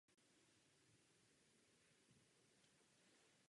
Zde uvedené souřadnice jsou pouze přibližné.